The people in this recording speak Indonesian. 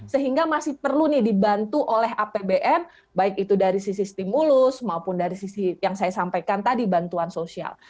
sehingga masih perlu nih dibantu oleh apbn baik itu dari sisi stimulus maupun dari sisi yang saya sampaikan tadi bantuan sosial